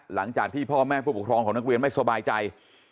หลังจากที่พ่อแม่ผู้ปกครองของนักเรียนไม่สบายใจ